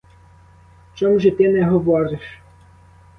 Чом же ти не говориш?